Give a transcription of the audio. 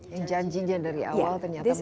yang janji dari awal ternyata mereka